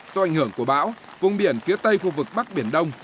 do ảnh hưởng của bão vùng biển phía tây khu vực bắc biển đông